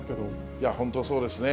いや、本当にそうですね。